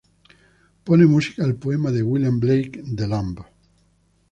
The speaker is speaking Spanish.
Pone música al poema de William Blake "The Lamb".